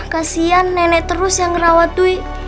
kasian nenek terus yang ngerawat dwi